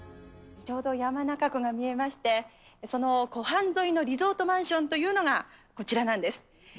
ちょうど、山中湖が見えまして、その湖畔沿いのリゾートマンションというのが、こちらなんです。